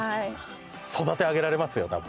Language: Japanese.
育て上げられますよ多分。